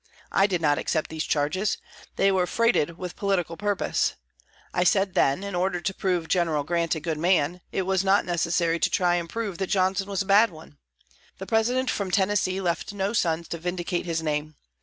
I did not accept these charges. They were freighted with political purpose. I said then, in order to prove General Grant a good man, it was not necessary to try and prove that Johnson was a bad one. The President from Tennessee left no sons to vindicate his name.